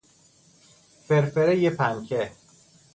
فرفر پنکه